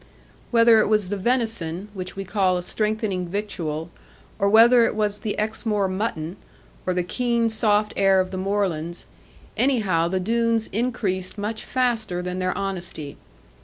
Whether it was the venison, which we call a strengthening victual, or whether it was the Exmoor mutton, or the keen soft air of the moorlands, anyhow the Doones increased much faster than their honesty.